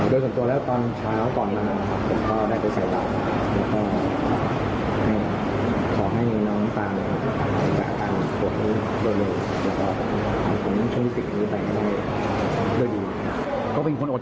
โดยสังตัวแล้วตอนเช้าก่อนนาน